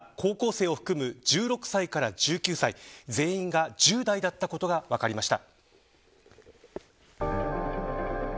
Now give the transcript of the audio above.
さらに逮捕された４人は高校生を含む１６歳から１９歳、全員が１０代だったことが分かりました。